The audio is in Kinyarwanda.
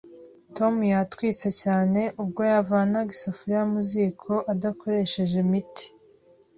Tom yatwitse cyane ubwo yavanaga isafuriya mu ziko adakoresheje miti